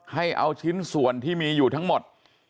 ให้เอาชิ้นส่วนที่มีอยู่ทั้งหมด